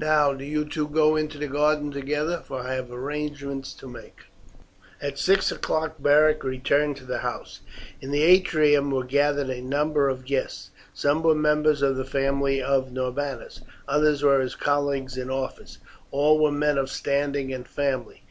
Now do you two go into the garden together, for I have arrangements to make." At six o'clock Beric returned to the house. In the atrium were gathered a number of guests; some were members of the family of Norbanus, others were his colleagues in office all were men of standing and family.